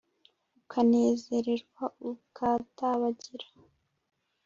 ukanezerewa ukadabagira.